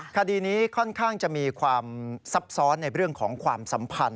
คดีนี้ค่อนข้างจะมีความซับซ้อนในเรื่องของความสัมพันธ